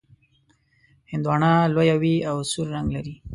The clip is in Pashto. هندواڼه لویه وي او سور رنګ لري.